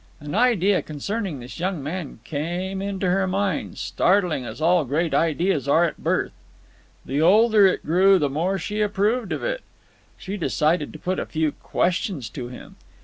An idea concerning this young man came into her mind, startling as all great ideas are at birth. The older it grew, the more she approved of it. She decided to put a few questions to him.